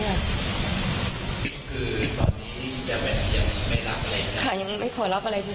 คือตอนนี้แกแบบยังไม่รับอะไรนะครับ